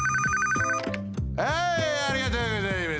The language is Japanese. ☎あいありがとうございます。